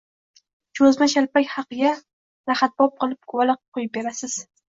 Choʻzma-chalpak haqiga lahadbop qilib guvala quyib berasiz.